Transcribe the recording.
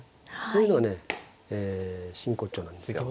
そういうのがね真骨頂なんですよ。